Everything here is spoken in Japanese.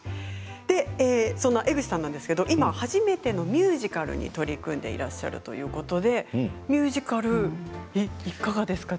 そんな江口さんですが今初めてのミュージカルに取り組んでいらっしゃるということでミュージカル、いかがですか？